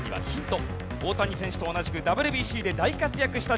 大谷選手と同じくＷＢＣで大活躍した人物です。